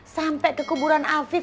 sampai ke kuburan afif